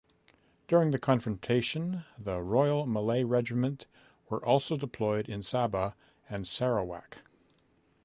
During the confrontation, the Royal Malay Regiment were also deployed in Sabah and Sarawak.